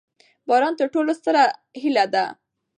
باران تر ټولو ستره هیله ده.